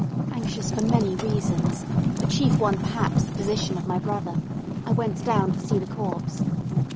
Anxious for many reasons the chief one, perhaps, the position of my brother I went down to see the corpse.